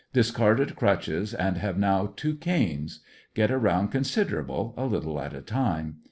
Discarded crutches and have now two canes. Get around considerable, a little at a time.